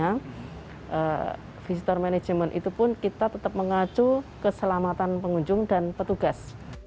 dan visitor manajemen itu pun kita tetap mengacu keselamatan pengunjung dan petugas